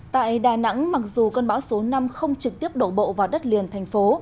tại đà nẵng mặc dù cơn bão số năm không trực tiếp đổ bộ vào đất liền thành phố